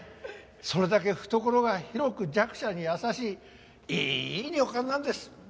それだけ懐が広く弱者に優しいいい旅館なんです。